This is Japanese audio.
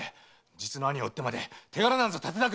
実の兄を売ってまで手柄なんざ立てたくない！